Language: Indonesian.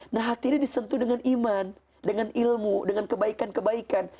nah hati ini disentuh dengan iman dengan ilmu dengan kebaikan kebaikan